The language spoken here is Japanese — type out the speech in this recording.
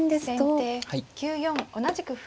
先手９四同じく歩。